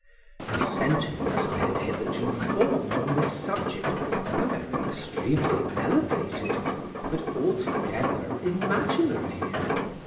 The sentiments I had hitherto formed on this subject were extremely elevated, but altogether imaginary.